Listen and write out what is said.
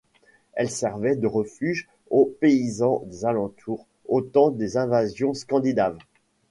Elles servaient de refuge aux paysans des alentours, au temps des invasions scandinaves.